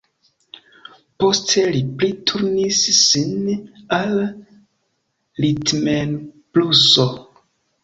Poste li pli turnis sin al ritmenbluso.